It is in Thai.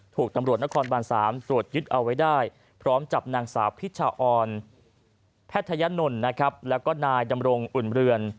ถูกตำรวจนครบาน๓ตรวจยึดเอาไว้ได้พร้อมจับนางสาวพิชาออนแพทยนนท์นะครับแล้วก็นายดำรงอุ่นเรือน